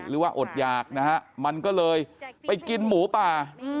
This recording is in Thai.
หรือว่าอดอยากนะฮะมันก็เลยไปกินหมูป่า